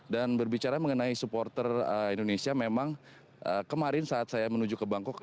dan berbicara mengenai supporter indonesia memang kemarin saat saya menuju ke bangkok